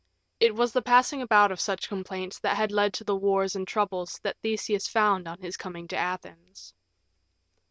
It was the passing about of such complaints that had led to the war and troubles that Theseus found on his coming to Athens.